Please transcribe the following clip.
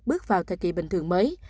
bước vào thời kỳ bình thường mới